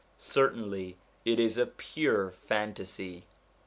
certainly it is a pure fantasy.